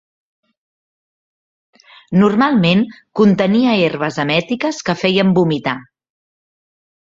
Normalment contenia herbes emètiques que feien vomitar.